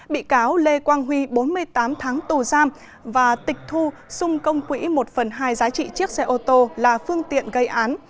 bị cáo lê quang huy bốn mươi tám tháng tù giam và tịch thu xung công quỹ một phần hai giá trị chiếc xe ô tô là phương tiện gây án